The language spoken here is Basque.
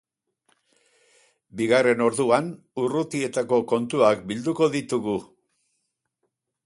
Bigarren orduan, urrutietako kontuak bilduko ditugu.